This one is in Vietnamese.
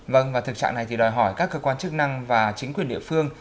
vâng và thực trạng này thì đòi hỏi các cơ quan chức năng và chính quyền địa phương